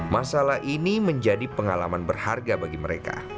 masalah ini menjadi pengalaman berharga bagi mereka